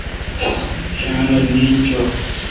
شاین رل نین چو۔